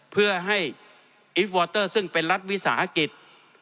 เพื่อให้อิฟวอเตอร์ซึ่งเป็นรัฐวิสาหกิจ